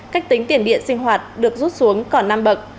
cách tính tiền điện sinh hoạt được rút xuống còn năm bậc